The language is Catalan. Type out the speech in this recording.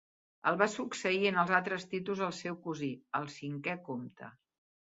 El va succeir en els altres títols el seu cosí, el cinquè comte.